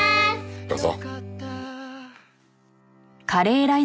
どうぞ。